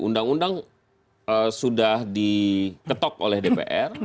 undang undang sudah diketok oleh dpr